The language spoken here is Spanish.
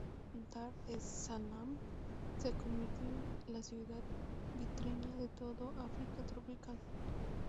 Dar es-Salaam se convirtió en la ciudad vitrina de toda África tropical.